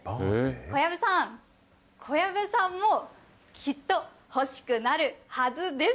小籔さん、小籔さんもきっと欲しくなるはずです。